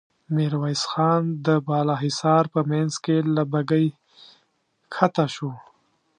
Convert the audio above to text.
ميرويس خان د بالا حصار په مينځ کې له بګۍ کښته شو.